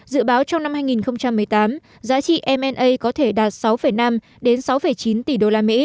dự báo trong năm hai nghìn một mươi tám giá trị mna có thể đạt sáu năm đến sáu chín tỷ usd